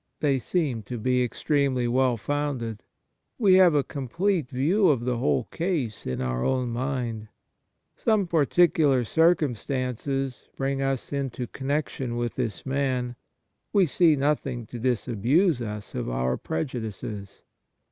They seem to be extremely well founded. We have a complete view of the whole case in our own mind. Some par ticular circumstances bring us into connec tion with this man. We see nothing to disabuse us of our prejudices.